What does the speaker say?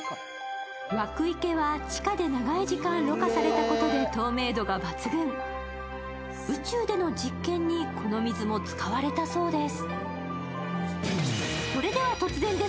湧池は地下で長い時間ろ過されたことで透明度が抜群、宇宙での実験にこの水も使われたそうです。